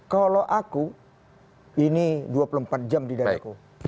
kalau aku ini dua puluh empat jam di dadaku